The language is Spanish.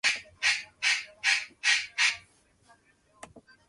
Los átomos capturados en estas colisiones emiten la luz mostrada en la imagen.